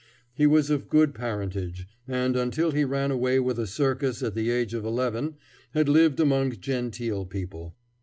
He was of good parentage, and until he ran away with a circus at the age of eleven had lived among genteel people.